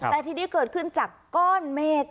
แต่ทีนี้เกิดขึ้นจากก้อนเมฆ